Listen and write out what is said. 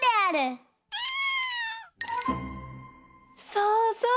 そうそう。